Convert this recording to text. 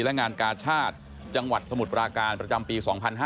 และงานกาชาติจังหวัดสมุทรปราการประจำปี๒๕๕๙